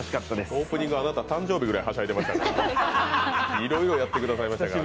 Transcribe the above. オープニングあなた、誕生日ぐらい、はしゃいでましたから。